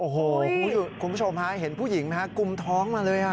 โอ้โหคุณผู้ชมฮะเห็นผู้หญิงไหมฮะกุมท้องมาเลย